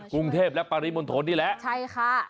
กรุงเทพและปริมนต์โทนนี่แหละ